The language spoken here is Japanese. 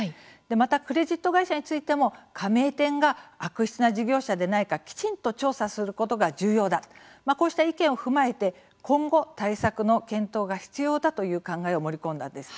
また、クレジット会社についても加盟店が悪質な事業者でないかきちんと調査することが重要だこうした意見を踏まえて今後、対策の検討が必要だという考えを盛り込んだんです。